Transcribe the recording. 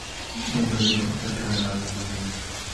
Ne-Yo dijo, "Está quedando muy bien.